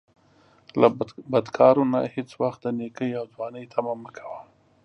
له بدکارو نه هیڅ وخت د نیکۍ او ځوانۍ طمعه مه کوه